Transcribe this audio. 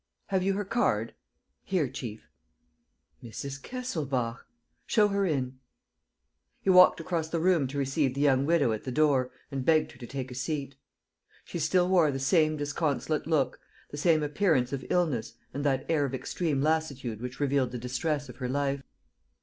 "Have you her card?" "Here, chief." "Mrs. Kesselbach! Show her in." He walked across the room to receive the young widow at the door and begged her to take a seat. She still wore the same disconsolate look, the same appearance of illness and that air of extreme lassitude which revealed the distress of her life.